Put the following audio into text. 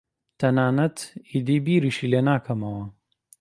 تەنانەت ئیدی بیریشی لێ ناکەمەوە.